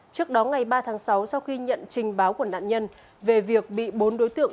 trước đó ngày ba tháng sáu sau khi nhận trình báo của nạn nhân về việc bị bốn đối tượng